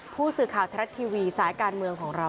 ผู้สื่อข่าวไทยรัฐทีวีสายการเมืองของเรา